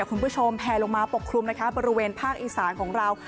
คุณผู้ชมแพลลงมาปกคลุมนะคะบริเวณภาคอีสานของเรา